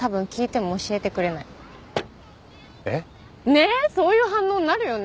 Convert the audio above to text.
ねっそういう反応になるよね。